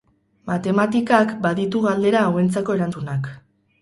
Matematikak baditu galdera hauentzako erantzunak.